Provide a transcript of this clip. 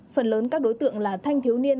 phần lớn các đối tượng là thanh thiếu niên